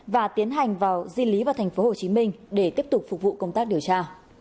và tiến hành vào di lý vào thành phố hồ chí minh để tiếp tục phục vụ công tác điều tra